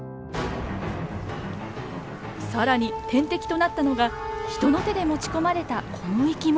更に天敵となったのが人の手で持ち込まれたこの生き物。